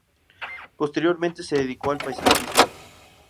Posteriormente se dedicó al paisajismo.